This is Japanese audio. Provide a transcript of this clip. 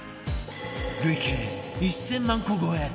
累計１０００万個超え